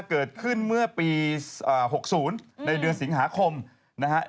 เกิดขึ้นเมื่อปี๖๐ในเดือนสิงหาคมนะครับ